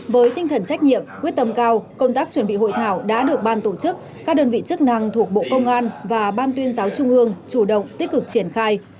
với tinh thần trách nhiệm quyết tâm cao công tác chuẩn bị hội thảo đã được ban tổ chức các đơn vị chức năng thuộc bộ công an và ban tuyên giáo trung ương chủ động tích cực triển khai